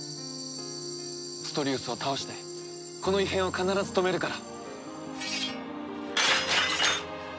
ストリウスを倒してこの異変を必ず止めるから。